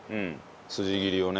筋切りをね。